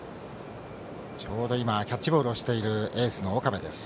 ちょうど今キャッチボールをしているエースの岡部です。